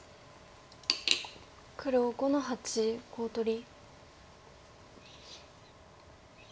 黒５の八コウ取り。